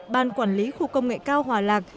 ban quản lý khu công nghệ cao hòa lạc